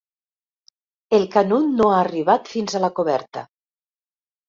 El Canut no ha arribat fins a la coberta.